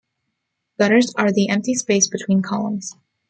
Gutters are the empty space between columns.